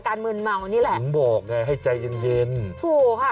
มืนเมานี่แหละถึงบอกไงให้ใจเย็นเย็นถูกค่ะ